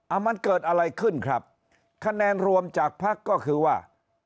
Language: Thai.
อ่ะมันเกิดอะไรขึ้นครับคะแนนรวมจากภักดิ์ก็คือว่าภักดิ์พลังประชารัฐเนี่ย